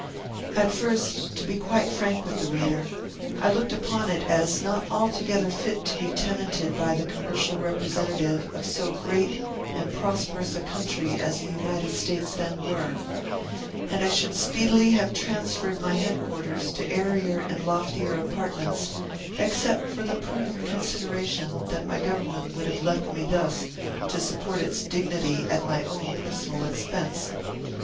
At first, to be quite frank with the reader, I looked upon it as not altogether fit to be tenanted by the commercial representative of so great and prosperous a country as the United States then were; and I should speedily have transferred my headquarters to airier and loftier apartments, except for the prudent consideration that my government would have left me thus to support its dignity at my own personal expense.